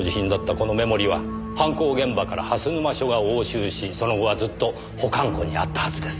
このメモリーは犯行現場から蓮沼署が押収しその後はずっと保管庫にあったはずです。